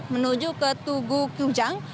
menuju ke tugu kujang